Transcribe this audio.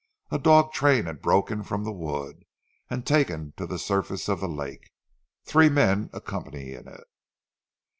A dog train had broken from the wood, and taken to the surface of the lake, three men accompanying it.